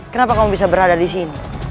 kenapa kamu bisa berada di sini